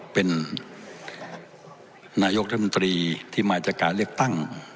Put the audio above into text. เป็นนายกรัฐมนตรีที่มาจากการเลือกตั้ง